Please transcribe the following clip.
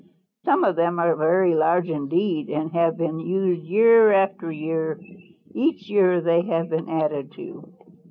Some of them are very large indeed and have been used year after year. Each year they have been added to.